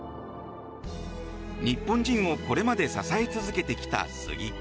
日本人をこれまで支え続けてきたスギ。